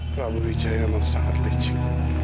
prabu wijaya memang sangat lecek